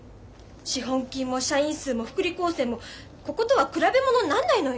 資本金も社員数も福利厚生もこことは比べものになんないのよ。